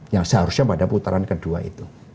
yang seharusnya pada putaran kedua itu